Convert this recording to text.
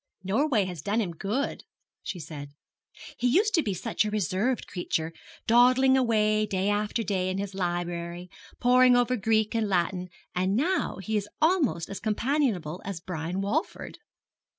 'Norway has done him good,' she said. 'He used to be such a reserved creature, dawdling away day after day in his library, poring over Greek and Latin, and now he is almost as companionable as Brian Walford.'